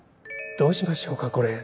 どうしましょうかこれ。